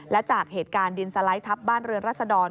และจากเหตุการณ์ดินสไลด์ทับบ้านเรือนรัศดร